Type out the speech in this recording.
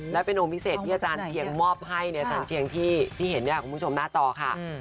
และเป็นองค์พิเศษที่อาจารย์เชียงมอบให้ในอาจารย์เชียงที่เห็นเนี่ยคุณผู้ชมหน้าจอค่ะ